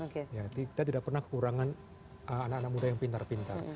kita tidak pernah kekurangan anak anak muda yang pintar pintar